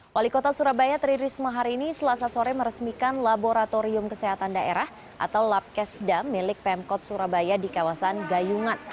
wali kota surabaya tri risma hari ini selasa sore meresmikan laboratorium kesehatan daerah atau labkesda milik pemkot surabaya di kawasan gayungan